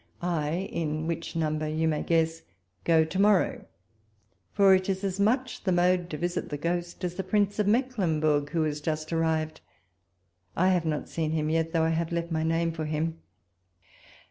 I, in which number you may guess, go to morrow ; for it is as niucli the mode to visit the ghost as the Prince of Mecklenburg, w ho is just arrived. I have not seen him yet, though I have left my name for him.